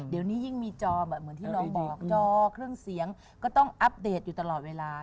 เดี๋ยวนี้ยิ่งมีจอแบบเหมือนที่น้องบอกจอเครื่องเสียงก็ต้องอัปเดตอยู่ตลอดเวลา